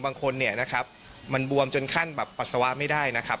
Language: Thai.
บางคนเนี่ยนะครับมันบวมจนขั้นแบบปัสสาวะไม่ได้นะครับ